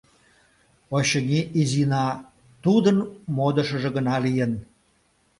Очыни, Изина тудын модышыжо гына лийын.